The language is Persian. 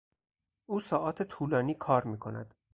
او ساعات طولانی کار میکند.